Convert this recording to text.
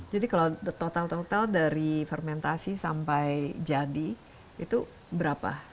jadi kalau total total dari fermentasi sampai jadi itu berapa